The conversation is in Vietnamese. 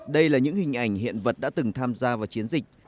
đây là những hình ảnh hiện vật đã từng tham gia vào chiến dịch